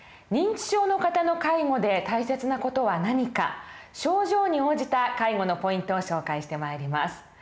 認知症の方の介護で大切な事は何か症状に応じた介護のポイントを紹介してまいります。